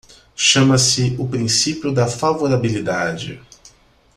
Chama-se o princípio da favorabilidade.